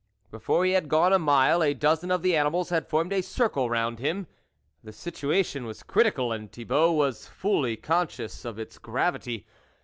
Before he had gone a mile, a dozen of the animals had formed a circle round him. The situation was critical, and Thibault was fully conscious of its gravity.